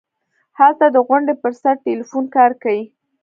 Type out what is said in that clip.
هلته د غونډۍ پر سر ټېلفون کار کيي.